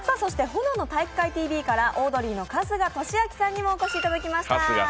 「炎の体育会ＴＶ」からオードリーの春日俊彰さんにもお越しいただきました。